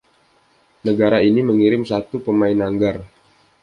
Negara ini mengirim satu pemain anggar.